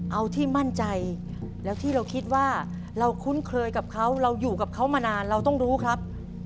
เอาที่มั่นใจแล้วที่เราคิดว่าเราคุ้นเคยกับเขาเราอยู่กับเขามานานเราต้องรู้ครับ